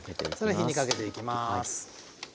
火にかけていきます。